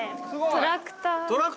◆トラクター？